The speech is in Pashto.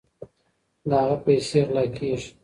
د هغه پیسې غلا کیږي.